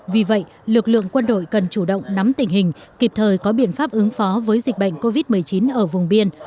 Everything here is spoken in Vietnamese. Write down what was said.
vì vậy lực lượng quân đội cần chủ động nắm tình hình kịp thời có biện pháp ứng phó với dịch bệnh covid một mươi chín ở vùng biên